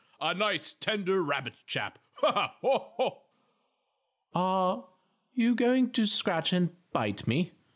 A nice tender rabbit chap! Ah, ha! Oh, ho!" "Are are you going to scratch and bite me?"